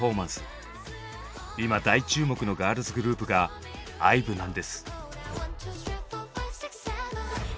今大注目のガールズグループがＩＶＥなんです。